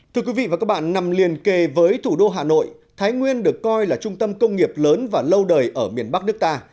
thưa quý vị và các bạn nằm liền kề với thủ đô hà nội thái nguyên được coi là trung tâm công nghiệp lớn và lâu đời ở miền bắc nước ta